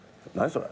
それ。